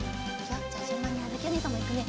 じゃあじゅんばんにあづきおねえさんもいくね。